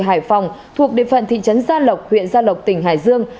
hải phòng thuộc địa phận thị trấn gia lộc huyện gia lộc tỉnh hải dương